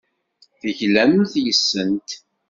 Teglamt yes-sent.